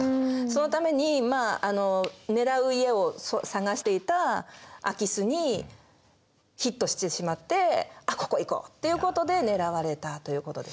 そのために狙う家を探していた空き巣にヒットしてしまって「あっここ行こう」っていうことで狙われたということですね。